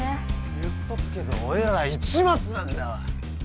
言っとくけど俺ら市松なんだわ！